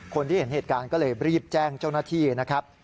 คนที่เห็นเหตุการณ์ก็เลยรีบแจ้งเจ้าหน้าที่นะครับ